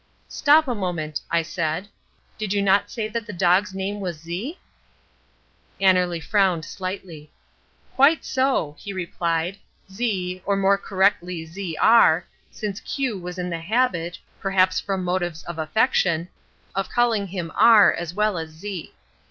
"Stop a moment," I said. "Did you not say that the dog's name was Z?" Annerly frowned slightly. "Quite so," he replied. "Z, or more correctly Z R, since Q was in the habit, perhaps from motives of affection, of calling him R as well as Z.